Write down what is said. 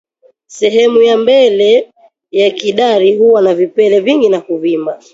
Sehemu ya mbele ya kidari huwa na vipele vingi na kuvimba